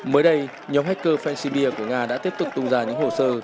mới đây nhóm hacker fangsibia của nga đã tiếp tục tung ra những hồ sơ